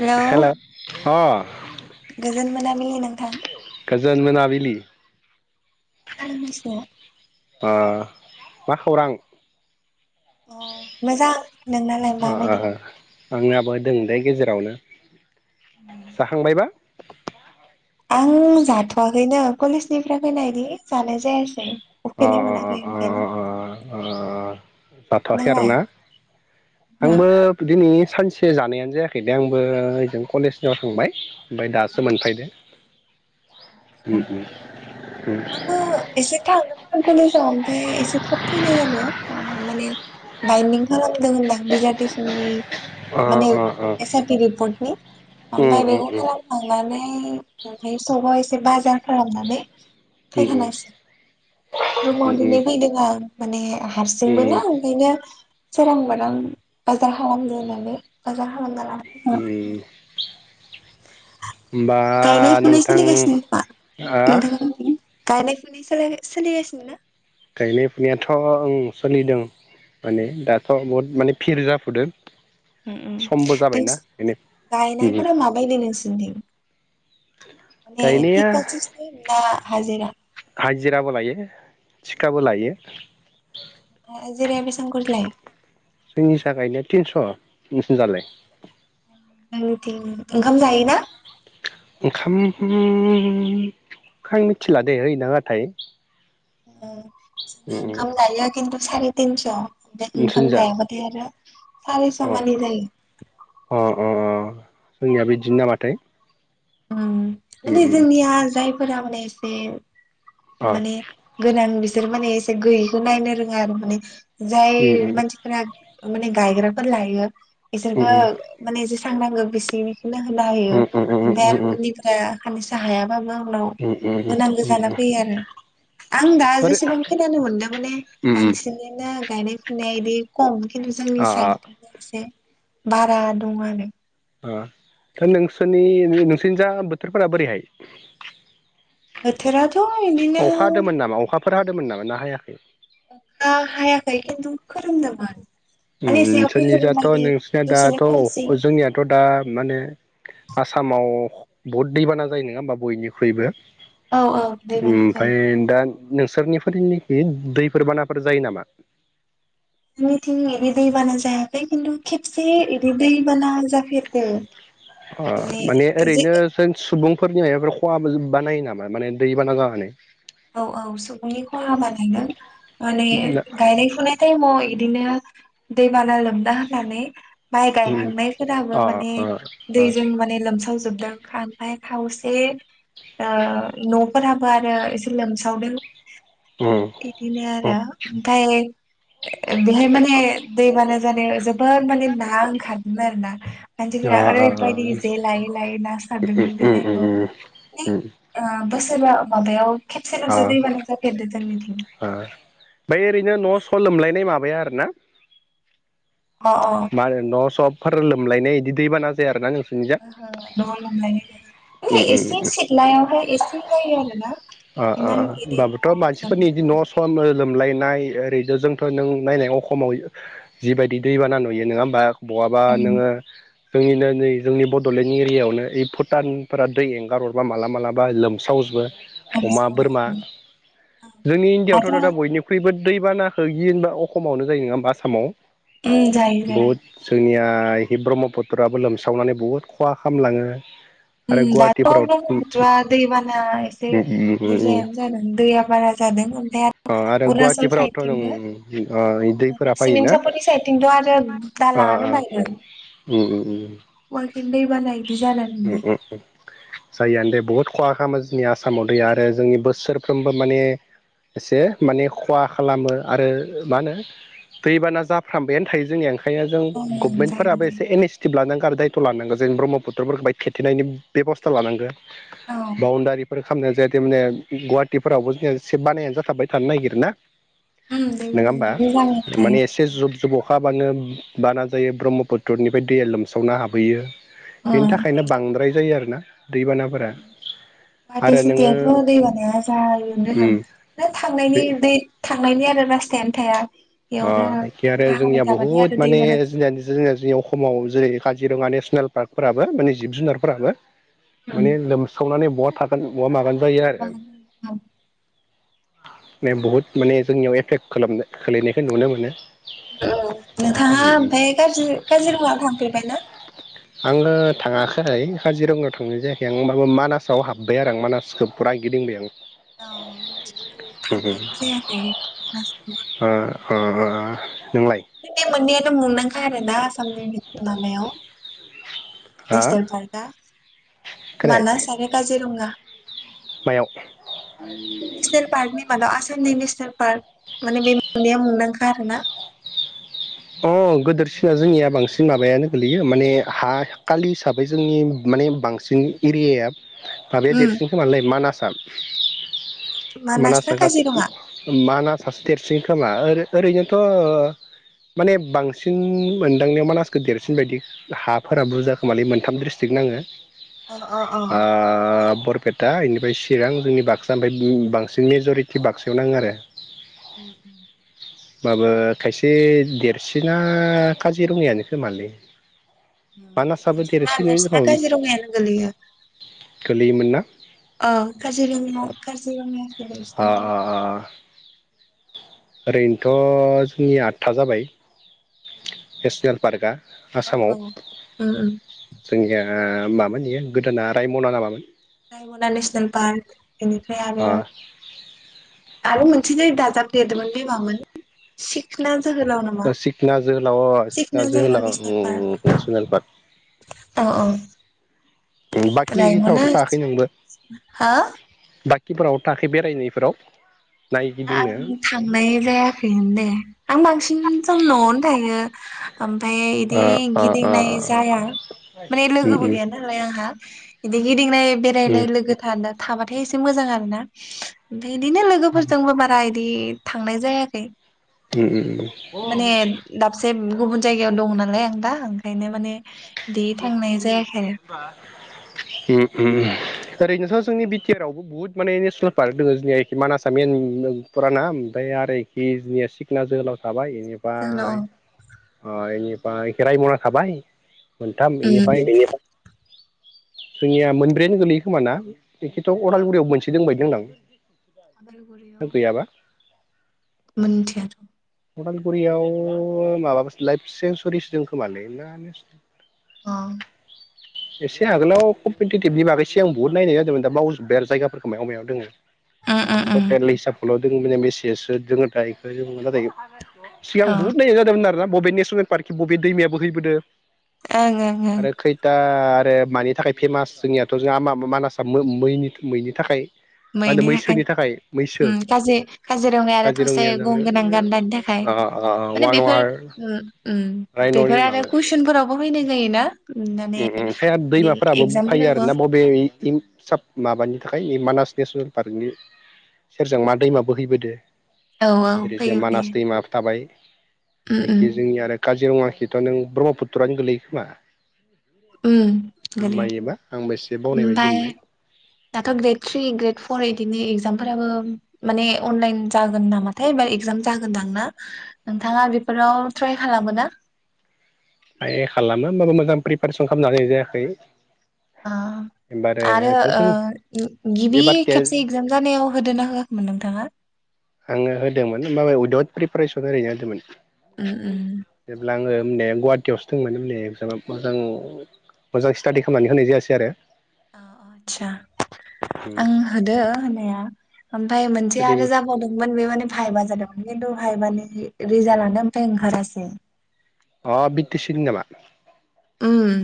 Hello hello अ गोजोन मोना बिलि नोंथां। गोजोन मोनाबिलि। अ [unintelligible] मा खौरां? अ मोजां नोंनालाय अ अ माबायदि? अ आंनाबो दों दे गेजेरावनो। जाखांबायबा? आं जाथ'वाखैनो कलेजनिफ्राय फैनायनि जानाय जायासै। अ उखैनाय अ अ मोनाखै अ ओंखायनो अ ओ जाथ'वाखै नोंलाय आरोना आंबो दिनैयो सान से जानायानो जायाखै दे आंबो ओजों कलेजनियाव थांबाय ओमफ्राय दासो मोनफैदो। उम उम उम आंबो एसे थांमोन कलेजाव ओमफ्राय एसे थाब फैदों आरो माने बाइन्दिं खालामदों होनदां डिजार्टेसननि अ माने अ अ एस आर पि रिपर्टनि उम ओमफ्राय उम बेखौ उम खालामखांनानै ओमफ्राय सकाव एसे बाजार खालामनानै उम फैखानांसै रुमाव उम उम दिनै फैदों आं माने उम हारसिंबोना ओंखायनो सोरां बारां बाजार खालामदो होननानै बाजार खालामना लाना फैखाबाय होमबा गायनाय फुनाय नोंथां सोलिगासिनो नामा आ नोंथांमोननिथिं? गायनाय फुनाय सोलिगासिनो ना? गायनाय फुनायाथ' ओं सोलिदों। माने दाथ' बहुद माने भिर जाफुदों। ओ ओ समबो जाबायना नोंसि बेनो उम गायनायफोरा माबायदि नोंसिनिथिं? माने गायनाया टिका सिसटिम ना हाजिरा? हाजिराबो लायो थिखाबो लायो। हाजिराया बेसां खरि लायो? जोंनि जा गायनाया थिनस' नोंसिनि जालाय? जोंनिथिं ओंखाम जायोना? ओंखामखो आं मिथिला दे होयोना होयाथाय ओ जोंना ओंखाम जायो खिन्थु साराय तिनस' ओंखाम नोंसोरनिजा जायाबाथाय आरो सारिस' अ मानि अ जायो जोंनियाबो बिदिनो नामाथाय ओम माने जोंनिया जायफोरा माने एसे उम अ माने गोनां बिसोर माने एसे गैयैखौ नायनो रोङा आरो माने जाय उम मानसिफोरा माने गायग्राफोर लायो बिसोरबो उम माने थांनांगौ बिसिनिखौनो होना होयो उम उम ओमफ्राय उम उम उननिफ्रा साननैसो हायाबाबो उनाव उम होनांगौ उम उम जाना उम फैयो आरो आं दा आरो जेसेबां खोनानो मोनदों माने उम उम बांसिननियानो गायनाय फुनाय इदि खम खिन्थु जोंनि अ साइडथिंजाय एसे बारा दं आरो। ओ दा नोंसोरनि नोंसोरनि जा बोथोरफोरा बोरैहाय? बोथोराथ' अखा बिदिनो हादोंमोन नामा अखाफोर हादोंमोन नामा ना हायाखै? अखा हायाखै खिन्थु खोरोमदोंमोन। ओम माने एसे अखा हागोन नोंसनिजाथ' बायदि नोंसिना दसेनो दाथ' खोमसि अ जोंनियाथ' दा माने आसामाव बहुद दैबाना जायो नङा होमबा बयनिख्रुइबो औ औ दैबाना जायो ओमफ्राय दा नोंसोरनिफोरनिखि दैफोर बानाफोर जायो नामा? जोंनिथिं इदि दैबाना जायाखै खिन्थु खेबसे इदि दैबाना जाफेरदो ओ माने ओरैनो जों सुबुंफोरनि माबाफोर ख हा बानायायो नामा माने दै बाना जानानै? औ औ सुबुंनि खहा बानायदों माने गायनाय फुनाय टाइमाव बिदिनो दै बाना लोमना होनानै माइ उम गायखांनायफोराबो अ माने अ अ दैजों माने लोमसावजोबदों आमफाय खावसे ओ न'फोराबो आरो एसे लोमसावदों उम बिदिनो उम आरो ओमफयफ्राय बेहाय माने दैबाना जानाव जोबोद माने ना ओंखारदों आरो ना अ मानसिफोरा अ ओरैबायदि जे लायै लायै ना उम सारदोंमोनदों उम उम बेयाव [inaudible] बोसोरा माबायाव ओ खेबसेल'सो दैबाना जाफेरदो जोंनिथिं ओ बे ओरैनो न स लोमलायनाय माबा बाया आरोना। अ ओहो मा न सबफोर लोमलायनाय बिदि दैबाना जाया आरोना नों ओहो नआव लांलायनाय नङा ओ माने ओ एसे सिथलायावहाय एसे जायो आरोना। अह अह इमान इदि होनोमबाबोथ नङा लोम मानसिफोरनि बिदि न सम लोमलायनाय ओरैनो जोंथ नों नायनाय अखमाव जिबायदि दैबाना नुयो नङा होमबा बहाबा उम नोंङो जोंनिनो नै जोंनि बडलेण्ड एरियायावनो ओ भुटानफोरा दै एंगारहरबा मालाबा मालाबा लोमसावजोबो अमा लोमसावो बोरमा उम औ जोंनि इण्डियाआवथ आरो दा दा बयनिख्रुइबो दैबानाखौ गिबा अखमावनो जायो नङा होमा आसामाव उम जायो जायो बहुद जोंनिया ब्रह्मपुत्राबो लोमसावनानै बुहुद खहा खालामलाङो आरो उम दाथ गुवाहाटिफोराव ब्रह्मपुत्रआ दैबाना एसे अ बुरजायानो जादों दैया बारा जादों ओमफ्राय आरो अरुणचल गुवाहाटिफोरावथ' नों साइदथिंबो ओ दैफोरा फैयोना सिमेन्ट सापरि साइदथिंथ आरो दालाङानो बायदों। उम उम। दैैबाना इदि जनानैनो जायानो दैे बहुत खहा खालामो जोंनि आसामाव दै आरो जोंनि बोसोरफ्रोमबो माने एसे माने खहा खालामो आरो मा होनो दैबाना जाफ्रामबायानो थायो जोंनिया ओंखायनो जों ओं जायो गभमेन्टफोराबो जायो एसे इनिसियटिभ लानांगौ आरो दायथ लानांगौ। ब्रह्मफुत्र फोरखौ माहाय थेथेनायनि बेबसथा लानांगो औ बावनदारिफोर खामनो जाहाथे माने गुवाहाटिफोरावबो जे एसे बानायनानै जाथाबबाय थानो नागिर ना। उम नङा दैबाना होमबा बिदिनो जानानै थायो माने एसे जुब जुब अखाबानो बाना जायो ब्रह्मपुत्रनिफ्राय दैया लोमसावना हाबहैयो। बेनि उम थाखायनो बांद्राय जायो आरोना। फोरा। बाहाथै सुथियाथ दैबानाया उम जाययोनो थांनायनि बे थां थांनायनि आरो रासथायानो थाया। बेयावनो अह एखे आरो अखा हाबाय जोंनिया थाबाथाय बुहुत आरो माने दैबाना जायो जोंनि [inaudible] जेरै काजिरङानि फार्काफोराबो माने जिब जुनारफोराबो माने लोमसावनानै बहा था मागोन जायो आरो। उम बहुद माने जोंनियाव एफेक्ट खालाम खोलैनायखौ नुनो मोनो। ओ नोंथाङा बे काजि काजिरङायाव थांफेरबाय ना। आंङो थाङाखै काजिरङायाव थांनाय जायाखै आं होनबाबो मानासाव हाब्बाय आरो आं मानासखौ फराय ना गिदिंबाय आं औ ओ थांनायानो जायाखै अह नबे मोननैआनो मुंदांखा आरोना आसामनि माबायाव हा नेसनेल पारका खोनायाखै मानास आरो काजिरङा मायाव नेसनेल पार्कनि मा [inaudible] नेसनेल पार्क माने बे मोननैया मुंदांखा आरो ना अह गोदोरसिना जोंनिया बांसिन माबायानो गोलैयो माने हा खालि हिसाबै जोंनि माने बांसिन एरियाया माबाया उम देरसिन खोमालै मानासआ मानास ना मानासा गासै काजिरङा मानासासो देरसिन खोमा ओ ओरैनोथ ओ माने बांसिन मोनदांनायाव मानसिखौ देरसिन बायदि हाफोरा बुरजाखोमालै मोनथाम ड्रिस्ट्रिकट ना ओ अ अ अ बरपेटा दा इनिफ्राय चिरां जोंनि बाक्सा ओमफ्राय बांसिन मेज'रिटि बाक्सायाव नाङो आरो उ -उ माबो खायसे देरसिना काजिरिरङायानो खोमालै मानासाबो नना देरसिनै नोंसिना जोंनाव गाजिरङायानो गोलैयो दैमोन ना ओ काजिरङिया-काजिरङिया अ -अ -अ ओरैनोथ' जोंनिया आठथा जाबाय नेसनेल पार्कआ औ आसामाव औ उम उम जोंनिया ओ माबोन इयो गोदोना रायमना ना मामोन रायमना नेसनेल पार्क बेनिफ्राय आरो अ आरो मोनसे जाय दाजाब देरदोंमोन बे मामोन सिखना जोहोलाव नामा सिखना जोहोलाव सिखना सिकना जोहोलाव नेसनेल पार्क नेसनेल पार्क अ -अ उम बाखिफ्रावथ' थायाखै नोंबो हो खथिफोराव थाखै बेरायनायफोराव आंनि थांनाय जायाखैमोन दे आं मा बांसिन सम न'आवनो थायो ओमफाय ओ बिदि ओ ओ गिदिंनाय जाया माने उम लोगोबो उम गैया नालाय आंहा बिदि गिदिंनाय उम बेरायनाय लोगो था थाबाथाय एसे मोजां आरोना ओमफाय बिदिनो लोगोफोरजोंबो बारा इदि थांनाय जायाखै उम उम माने दाबसे गुबुन जायगायाव दङ नालाय आं दा खायनो माने बिदि थांनाय जायाखै आरो उम-उम ओरैनोथ' जोंनि बिटि आर आवबो बुहुत माने नेसनेल पार्क दङ जोंनिखि मानाससा मेन पुराना ओमफ्राय आरोखि ज सिखना जोहोलाव थाबाय जोंनाव बेनिफ्राय ओ बेनिफ्राय खेराइ मुरा साबाय मोनथाम उम बेनिफ्राय जोंनिया मोनब्रैयानो गोलैयो खोमा ना बेखिथ' अदालगुरियाव मोनसे दंबायदोंदां अदालगुरियाव मोनथियााथ अदालगुरियाव माबा लाइफ सन्सुरिसोजों खोमा नलै ना अ एसे आगोलाव कम्पिटिटिभ बिभागैसो आं बहुत नायनाय जादोंमोन दा बावजुबबाय आरो जायगाफोरखौ मायाव मायाव दोङो उम उम टटेल हिसाबखौल' द बे मसेसो दोङो दा बेखौ जों सिगां अ बुहुत नाय जादोंमोन आरोना बबे नेसनेल पार्कखि बबे दैमाया हैबोदों एं-एं-एं आरो मानि थाखाय फेमास जोंनियाथ' जोंहा मानासआ मा-मा मै -मैनि थाखाय मा होनो मैनि आखाय मैसोनि थाखाय मैसो उम काजि -काजिरङाया आरो थसे काजिरङाया गं जाबाय गोनां गान्दानि थाखाय अ माने वान बेफोर वाहार ओ उम बेफोर रायन'नि आरो कुइसनफोरावबो फैनाय जायो ना उम-उम फाय दैमाफोराबो फैयो एगजामफोरावबो आरोना बबे माबानि थाखाय मानास नेसनेल पार्कनि सेरजों मा दैमा बोहैबोदो औ औ जैदिनो फैयो मानास फैयो दैमा थाबाय उम उम जायखि जोंनि आरो काजिरङाखिथ' नों ब्रह्मपुत्रानो गोलैयो खोमा उम गोलैयो हबायोबा आंबोसे बावनाय बायदि ओमफाय मोनबाय दाथ' ग्रेट थ्रि ग्रेट फर बिदिनो इक्जामफोराबो माने अनलाइन जागोन नामाथाय बा इगजाम जागोनदां ना नोंथाङा बेफोराव ट्राइ खालामो ना फाय खालामो होमाबा मोजां प्रिपारेसन खालामना होनाय जायाखै आ आरो एबारथ' ओ जों गिबि एबार टेट खेबसे एगजाम जानायाव होदोना होआखैमोन नोंथाङा आंङो होदोंमोन माबा उइदाउट प्रिप्रेरेसन ओरैनो होदोंमोन उम उम जेब्ला आंङो। उम्म ने गुवाहाटियावसो दोंमोन माने एक्जामा मोजां मोजां स्टाडि खामनानै होनाय जायासै आरो। ओ आस्सा आं हादो हानाया। ओमफाय मोनसे आरो जाबावदोंमोन बे माने। भाइबा जादोंमोन खिन्थु भाइबानि रिजालानो ओमफ्राय ओंखारासै। अ बिटि सिनि नामा। उम।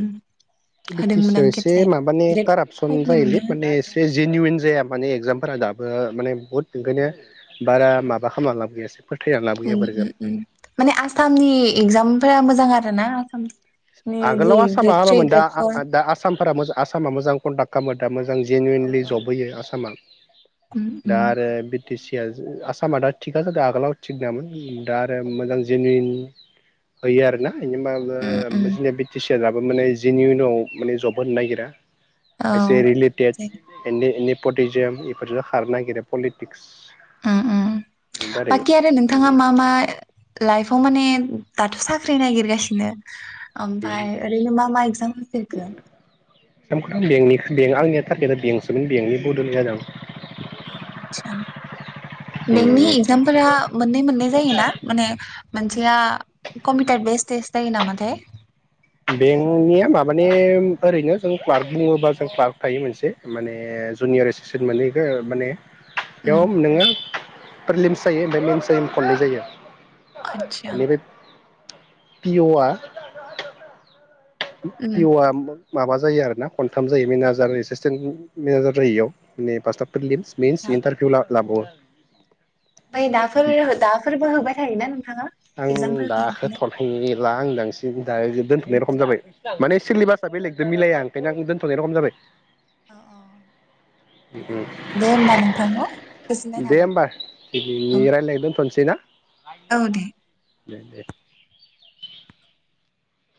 थि बिटि होदोंमोन सियाव आं एसे खेबसे माबानि ग्रेड कारापसन फरनिमोन जायोलै ना माने एसे। जेनुवेन जाया माने एगजामफोरा दाबो माने बहुत ओंखायनो बारा माबा खालामना लाबबो गैयासो। उमह उमह आसामनि एक्जामफोरा मोजां आरो ना आसाम। आगोलाव आसामा हामोन दा आ फर आ दा आसामफोरा आसामा मोजां कन्डाक्ट खामोथ। दा मोजां औ जेनुवेनलि औ जब होयो आसामा उम दा उम आरो बि टि सि। खिया जो आसामा दा थिखा जादो आगोलाव थिग नोंआमोन दा आरो मोजां जेनुविन। होयो आरोना इदिबाबो। उम उम जोंनिया बि टि सिआ दाबो माने जेनिउनाव माने जब होनो नागिरा। औ एसे रिलेटेड एनि एनि पटिजियाम एफोरजों खारनो नागिरो पलिटिक्स। उम्म बेनि उम्म दारै बाकि आरो नोंथांङा मा मा ओ लाइफआव माने। दाथ' साख साख्रि नागिरगासिनो ओमफ्राय ओरैनो मा मा एगजाम होफेरगोन सनि बे आंनिया टारेटआ बेंस बेंकनि बद'ल जादोंं आचा। नोंनि जादों एगजाम फोर मोननै मोननै जायोना माने बिथिया कम्पिउटार बेस टेस्ट जायो नामाथाय बेंकनिया माबानिम ओरैनो जों फ्लार्क बुंङोबा जों फ्लार्क थायो मोनसे माने। जुनियर एसिसेट मोनहैखो माने। उम बेयाव नोंङो प्रिलिम्स जायो ओमफाय मेमस जायो खननै जायो। आदसा बेनि बे पिअ आ। पिअ उम आ ओमबा। माबा जायो आरोना खनथाम जायो मेनाजार एसिसटेन्ट मेनाजार जायो इयाव ने फास्टाफ। लिमस मिन्स इन्टारभिउ ला लाबोवो। ओमफाय दाफोर हो दाफोरबो होबाय थायोना नों। आं दाहोथनाय ला आं दोंसिन दा दोनथनाय रखम जाबाय माने। सिलिबासा बेलेगखदों मिलाया ओंखायनो आं दोनथनाय रखम जाबाय। ओ अ। दे होमबा नोंथां न गोजोननाय दे थाबाय ओमबा औ बिनि रायलाय दोनथ'सै ना। औ दे दे दे।